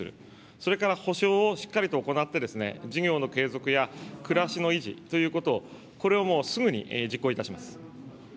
それから補償をしっかりと行って、事業の継続や暮らしの維持ということ、これをもうすぐに実行いたします。